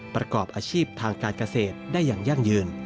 ประกอบอาชีพทางการเกษตรได้อย่างยั่งยืน